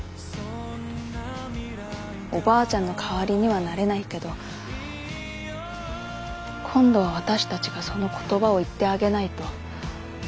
おばあちゃんの代わりにはなれないけど今度は私たちがその言葉を言ってあげないと。